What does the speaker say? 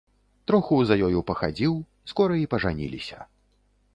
Троху за ёю пахадзіў, скора і пажаніліся.